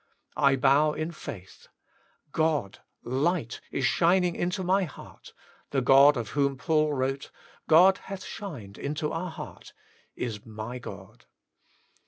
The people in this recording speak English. I bow in faith : God, light, is shining into my heart ; the God of whom Paul wrote, *God hath shined into our heart,' is my God.